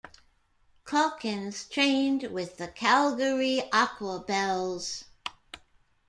Calkins trained with the Calgary Aquabelles.